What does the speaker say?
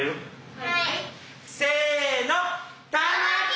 はい。